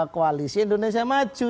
koalisi indonesia maju